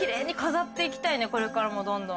これからもどんどん。